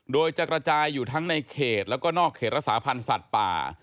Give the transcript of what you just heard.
โดยจะกระจายอยู่ทั้งในเขตแล้วก็นอกเขตรักษาพันธ์สัตว์ป่า